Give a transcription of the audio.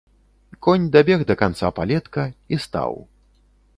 Конь дабег да канца палетка і стаў.